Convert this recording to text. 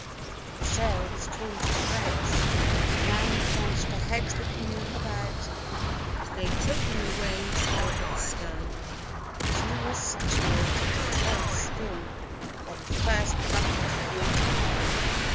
The sail was torn to shreds. Nan had managed to head the canoe about and they took in the waves over the stern. She was saturated to the very skin by the first bucket of water.